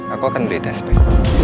aku akan beli tes baik